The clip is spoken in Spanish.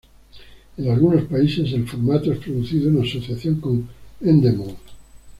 En algunos países, el formato es producido en asociación con Endemol.